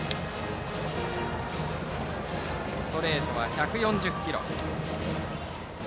ストレートは１４０キロ台。